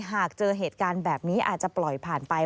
หากเจอเหตุการณ์แบบนี้อาจจะปล่อยผ่านไป